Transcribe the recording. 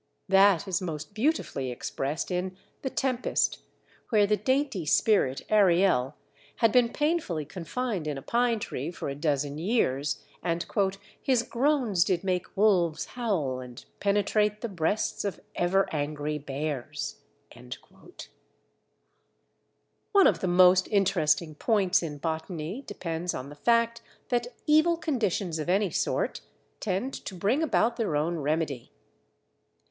That is most beautifully expressed in The Tempest, where the dainty spirit Ariel had been painfully confined in a pine tree for a dozen years, and "his groans did make wolves howl and penetrate the breasts of ever angry bears." One of the most interesting points in botany depends on the fact that evil conditions of any sort tend to bring about their own remedy.